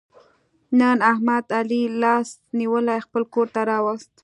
نن احمد علي لاس نیولی خپل کورته را وست.